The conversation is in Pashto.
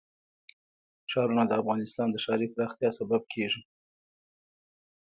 ښارونه د افغانستان د ښاري پراختیا سبب کېږي.